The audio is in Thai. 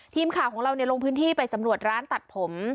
ทีมข่าวของเราลงพื้นที่ไปสำรวจร้านตัดผม